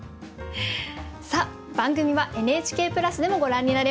さあ番組はＮＨＫプラスでもご覧になれます。